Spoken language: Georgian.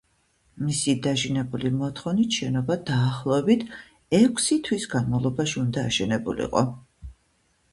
მისი დაჟინებული მოთხოვნით შენობა დაახლოებით ექვსი თვის განმავლობაში უნდა აშენებულიყო.